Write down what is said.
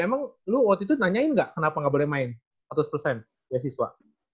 emang lu waktu itu nanyain ga kenapa ga boleh main seratus beasiswa